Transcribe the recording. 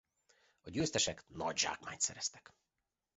A győztesek nagy zsákmányt szereztek.